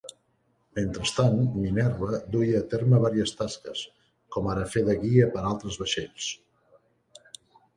Mentrestant, "Minerva" duia a terme vàries tasques, com ara fer de guia per altres vaixells.